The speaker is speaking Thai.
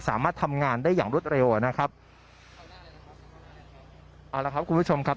สามารถทำงานได้อย่างรวดเร็วอ่ะนะครับเอาละครับคุณผู้ชมครับ